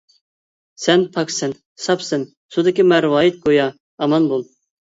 سەن پاكسەن ساپسەن. سۇدىكى مەرۋايىت گويا. ئامان بول!